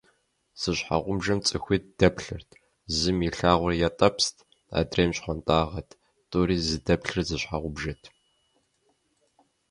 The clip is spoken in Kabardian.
Зы щхьэгъубжэм цӏыхуитӏ дэплъырт. Зым илъагъур ятӏэпст, адрейм щхъуантӏагъэт. Тӏури зыдэплъыр зы щхьэгъубжэт…